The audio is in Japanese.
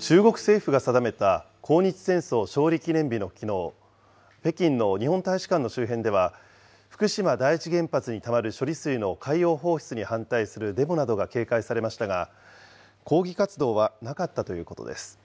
中国政府が定めた抗日戦争勝利記念日のきのう、北京の日本大使館の周辺では、福島第一原発にたまる処理水の海洋放出に反対するデモなどが警戒されましたが、抗議活動はなかったということです。